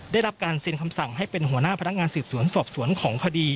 ได้รับการเซ็นคำสั่งให้เป็นหัวหน้าพนักงานสืบสวนสอบสวนของคดี